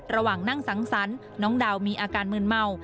ระหว่างนั่งสังสรรค์น้องดาวมีอาการมืนเมา